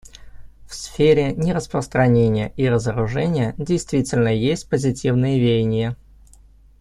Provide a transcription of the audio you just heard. В сфере нераспространения и разоружения действительно есть позитивные веяния.